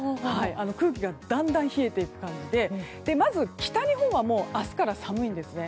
空気がだんだんと冷えていく感じでまず、北日本はもう明日から寒いんですね。